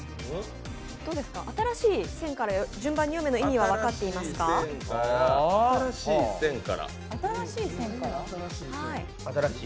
新しい線から順番に読めの意味は分かっていますか？